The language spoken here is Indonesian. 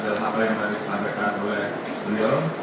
dalam apa yang tadi disampaikan oleh beliau